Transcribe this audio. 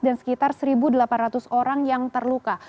dan sekitar satu delapan ratus orang yang terluka